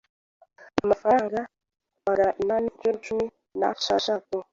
amafaranga magana inani inshuro cumi neshashatu.